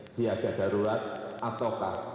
siada darurat atau tak